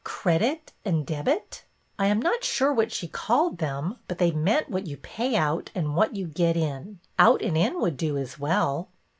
Credit and Debit?" I am not sure what she called them, but they meant what you pay out and what you get in. Out and In would do as well."